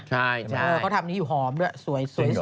ใช่เขาทำนี้อยู่หอมด้วยสวย